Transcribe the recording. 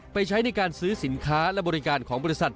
ใช้ในการซื้อสินค้าและบริการของบริษัท